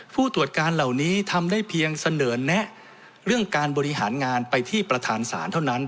ผู้ตรวจการเหล่านี้ทำได้เพียงเสนอแนะเรื่องการบริหารงานไปที่ประธานศาลเท่านั้น